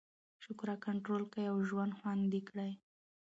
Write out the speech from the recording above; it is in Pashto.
شکره کنټرول کړئ او ژوند خوندي کړئ.